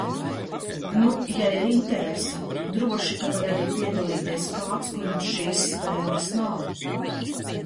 Nu, ja ir interese. Droši ka var arī piedalīties kāds, kuram šīs spēles nav.